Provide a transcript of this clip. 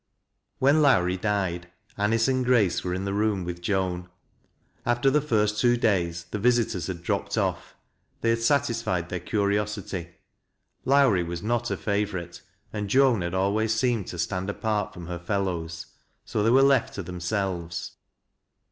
When Lowrie died, Anice and Grace were in the room with Joan. After the first two days the visitoi's had dropped off. They had satisfied their curiosity. Lowi ie was not a favorite, and Joan had always seemed to stand ipart fr.^m her fellows, so they were left to themselves.